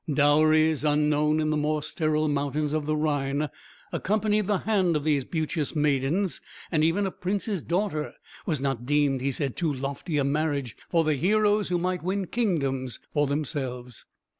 Dowries, unknown in the more sterile mountains of the Rhine, accompanied the hand of these beauteous maidens; and even a prince's daughter was not deemed, he said, too lofty a marriage for the heroes who might win kingdoms for themselves.